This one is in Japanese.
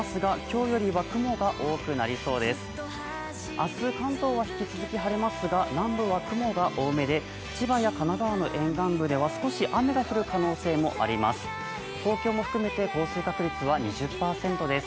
明日、関東は引き続き晴れますが、南部は雲が多めで、千葉や神奈川の沿岸部では少し雨が降る可能性があります。